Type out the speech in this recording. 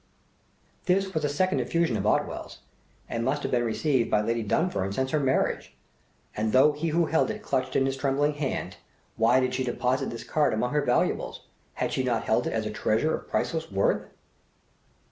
This was a second effusion of Otwell's, and must have been received by Lady Dunfern since her marriage; and, thought he who held it clutched in his trembling hand, Why did she deposit this card amongst her valuables had she not held it as a treasure of priceless worth?